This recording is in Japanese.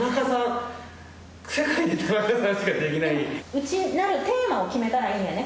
内なるテーマを決めたらいいんやね。